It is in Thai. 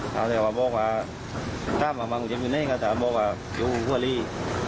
ก็แสดงว่าบอกว่าถ้าบอกว่ามันอยู่ในนี้ก็แสดงว่าอยู่หัวหรี่